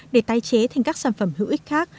để tái chế thành các sản phẩm hữu ích khác